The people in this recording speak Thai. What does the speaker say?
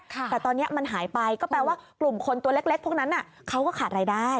แต่ตอนนี้มันหายไปก็แปลว่ากลุ่มคนตัวเล็กพวกนั้นเขาก็ขาดรายได้